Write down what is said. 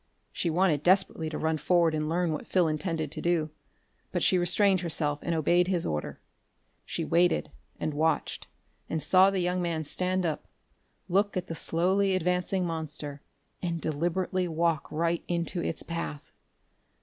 She wanted desperately to run forward and learn what Phil intended to do, but she restrained herself and obeyed his order. She waited, and watched; and saw the young man stand up, look at the slowly advancing monster and deliberately walk right into its path!